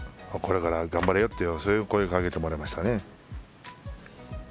これから頑張れよという声をかけてもらいました。